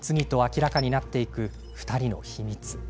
次々と明らかになっていく２人の秘密。